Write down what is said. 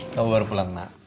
kamu baru pulang ma